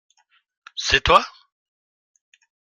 C’est toi ?